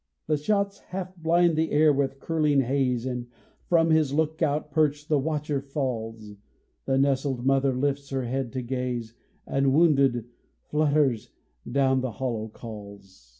The shots half blind the air with curling haze, And from his lookout perch the watcher falls; The nested mother lifts her head to gaze, And wounded, flutters down with hollow calls.